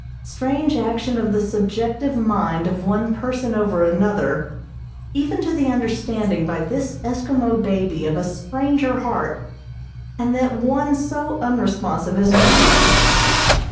Strange action of the subjective mind of one person over another, even to the understanding by this Eskimo baby of a stranger heart, and that one so unresponsive as mine.